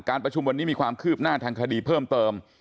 ประชุมวันนี้มีความคืบหน้าทางคดีเพิ่มเติม